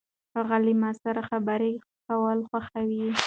هغه له ما سره خبرې کول خوښوي.